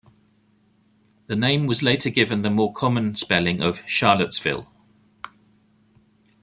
The name was later given the more common spelling of Charlottesville.